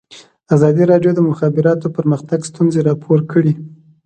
ازادي راډیو د د مخابراتو پرمختګ ستونزې راپور کړي.